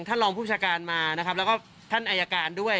รองผู้ประชาการมานะครับแล้วก็ท่านอายการด้วย